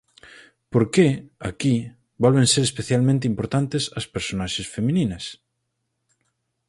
Por que, aquí, volven ser especialmente importantes as personaxes femininas?